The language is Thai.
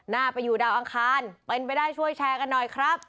หน้าไปอยู่ดาวอังคารเป็นไปได้ช่วยแชร์กันหน่อยครับ